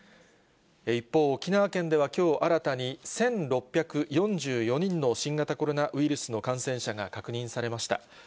一方、沖縄県ではきょう新たに、１６４４人の新型コロナウイルスの感染者が確認されました。